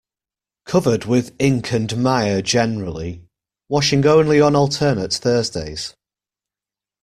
Covered with ink and mire generally, washing only on alternate Thursdays.